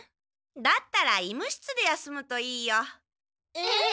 だったら医務室で休むといいよ。えっ！？